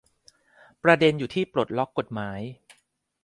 ประเด็นอยู่ที่ปลดล็อคกฎหมาย